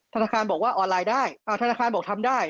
ธนาคารบอกว่าออนไลน์ได้ธนาคารบอกทำได้